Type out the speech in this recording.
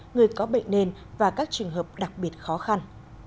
người có bệnh nền và các trường hợp đặc biệt khó khăn